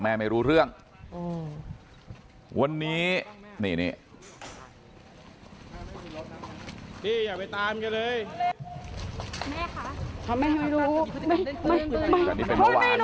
แม่ไม่รู้เรื่องวันนี้